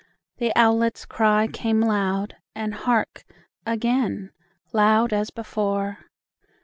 The owlet's cry Came loud and hark, again! loud as before.